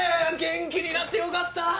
元気になってよかった！